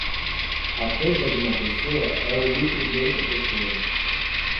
A perda de uma pessoa é o lucro de outra pessoa.